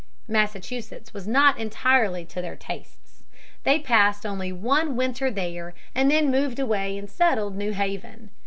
Massachusetts was not entirely to their tastes. They passed only one winter there and then moved away and settled New Haven.